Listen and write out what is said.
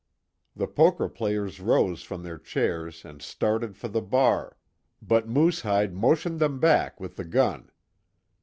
The poker players rose from their chairs and started for the bar, but Moosehide motioned them back with the gun.